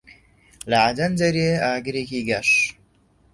لە عەدەن دەریێ ئاگرێکی گەش